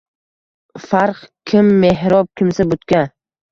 Farq — kim mehrob, kimsa butga